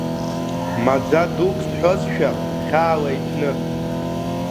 Маӡа дук сҳәозшәа хьаала иҭәны…